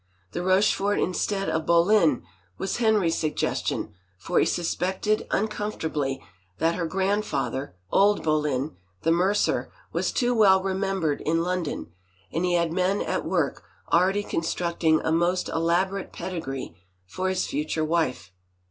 The Rochford instead of Boleyn was Henry's sugges tion, for he suspected uncomfortably that her grand father, old Boleyn, the mercer, was too well remembered in London, and he had men at work already constructing a most elaborate pedigree for his future wife.